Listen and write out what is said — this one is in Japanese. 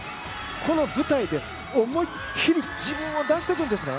この舞台で思いっきり自分を出せるんですね。